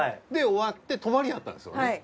で終わって泊まりやったんですよね。